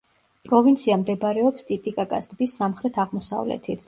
პროვინცია მდებარეობს ტიტიკაკას ტბის სამხრეთ-აღმოსავლეთით.